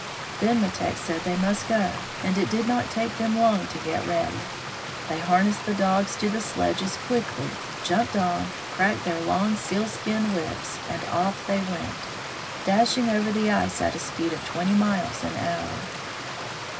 Then Metek said they must go, and it did not take them long to get ready. They harnessed the dogs to the sledges quickly, jumped on, cracked their long sealskin whips, and off they went, dashing over the ice at a. speed of twenty miles an hour.